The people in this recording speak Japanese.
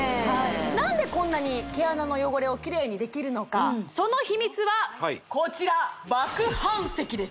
何でこんなに毛穴の汚れをキレイにできるのかその秘密はこちら麦飯石です